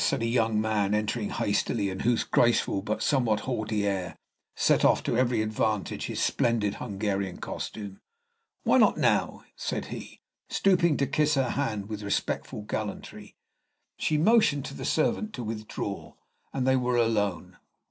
said a young man, entering hastily, and whose graceful but somewhat haughty air set off to every advantage his splendid Hungarian costume. "Why not now?" said he, stooping to kiss her hand with respectful gallantry. She motioned to the servant to withdraw, and they were alone.